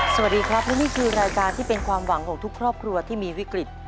สวัสดีครับและนี่คือรายการที่เป็นความหวังของทุกครอบครัวที่มีวิกฤต